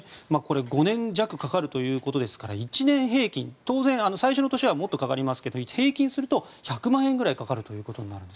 ５年弱でということですが１年平均、当然最初の年はもっとかかりますが平均すると１００万円くらい年間でかかると。